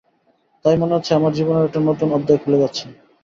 তাই মনে হচ্ছে, আমার জীবনের একটা নূতন অধ্যায় খুলে যাচ্ছে।